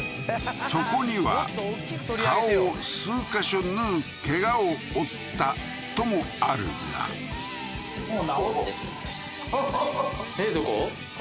そこには「顔を数カ所縫うけがを負った」ともあるがふふふふっえっどこ？